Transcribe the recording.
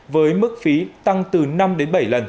với mức phí tăng từ năm đến bảy lần